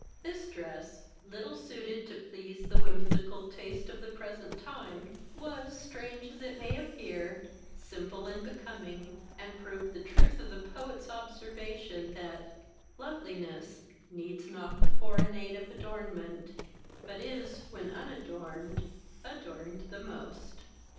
This dress, little suited to please the whimsical taste of the present time, was, strange as it may appear, simple and becoming, and proved the truth of the poet's observation, that Loveliness Needs not the foreign aid of ornament, But is, when unadorn'd, adorn'd the most.